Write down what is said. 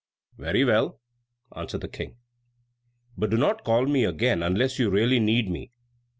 "Very well," answered the King; "but do not call me again unless you really need me."